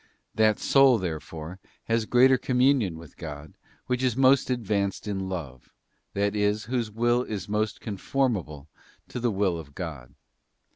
That soul, therefore, has greater communion with God, which is most advanced in love, that is, whose will is most conform able to the will of God.